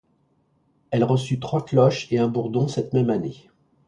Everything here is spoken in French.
Elle reçut trois cloches et un bourdon cette même année.